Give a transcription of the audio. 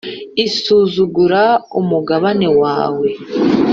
isuzugura umugabane wawe,